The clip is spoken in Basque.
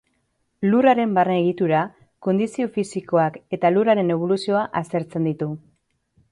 Lurraren barne egitura, kondizio fisikoak eta lurraren eboluzioa aztertzen ditu.